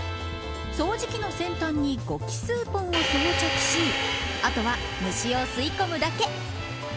掃除機の先端にゴキすぅぽんを装着しあとは、虫を吸い込むだけ。